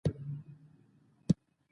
دښمنان به زموږ په لیدلو سره حیران پاتې شي.